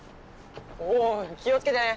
おい気を付けてね！